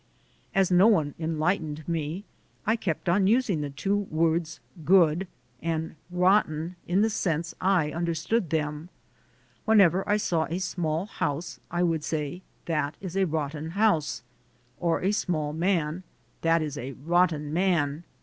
As no one enlightened me, I kept on using the two words "good" and "rotten" in the sense I understood them. Whenever I saw a small house, I would say: "That is a rotten house," or a small man, "That is a rotten man."